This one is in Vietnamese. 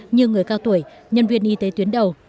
như người cao tuổi nhân viên y tế tuyến đầu